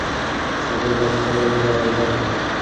شاګرد باید خپله ژبه زده کړي.